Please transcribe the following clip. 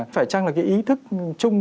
phải chăng là cái ý thức chung